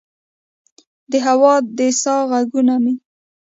د هوا د سا ه ږغونه مې